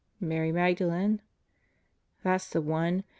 .." "Mary Magdalen?" "That's the one.